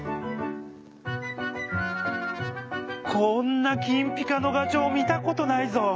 「こんな金ぴかのがちょうみたことないぞ！